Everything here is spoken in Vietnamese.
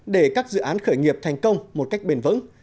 để các dự án khởi nghiệp thành công một cách bền vững